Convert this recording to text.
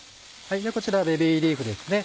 ではこちらベビーリーフですね。